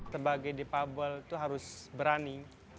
sebagai dipabel itu harus berani